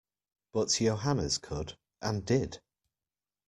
But Johannes could, and did.